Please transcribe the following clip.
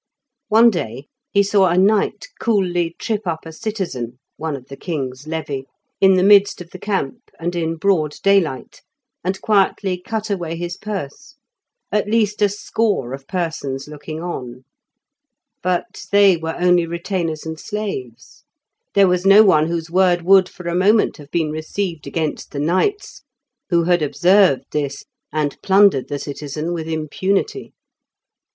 One day he saw a knight coolly trip up a citizen (one of the king's levy) in the midst of the camp and in broad daylight, and quietly cut away his purse, at least a score of persons looking on. But they were only retainers and slaves; there was no one whose word would for a moment have been received against the knight's, who had observed this, and plundered the citizen with impunity.